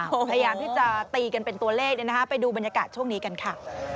พยายามที่จะตีกันเป็นตัวเลขไปดูบรรยากาศช่วงนี้กันค่ะ